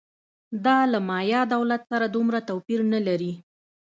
دا له مایا دولت سره دومره توپیر نه لري